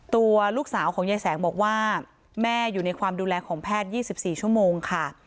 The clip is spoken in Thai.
ตัวลูกสาวของยายแสงบอกว่าแม่อยู่ในความดูแลของแพทย์๒๔ชั่วโมงค่ะ